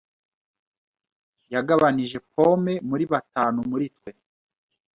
Yagabanije pome muri batanu muri twe.